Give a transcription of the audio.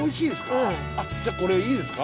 じゃあこれいいですか？